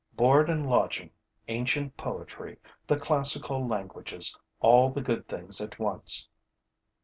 Board and lodging, ancient poetry, the classical languages, all the good things at once!